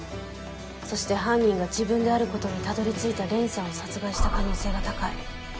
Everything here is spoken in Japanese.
そして犯人が自分であることに辿り着いた蓮さんを殺害した可能性が高い。